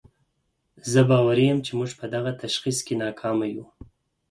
زه باوري یم چې موږ په دغه تشخیص کې ناکامه یو.